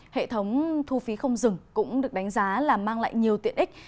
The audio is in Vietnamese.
hệ thống thu phí không dừng cũng được đánh giá là mang lại nhiều tiện ích